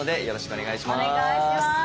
お願いします。